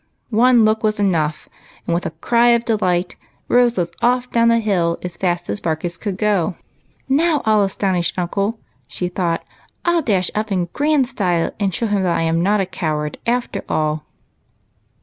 One look was enough, and, with a cry of de light. Rose was off down the road as fast as Barkis WHICH CAUSED BARKIS TO SHY " Now I '11 astonish uncle," she thought. " I '11 dnsh up in grand style, and show him that I am not a coward, after all."